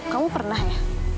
kamu pernah ya